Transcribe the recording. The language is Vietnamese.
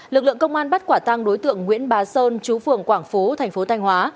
lực lượng công an bắt quả tăng đối tượng nguyễn bá sơn chú phường quảng phú thành phố thanh hóa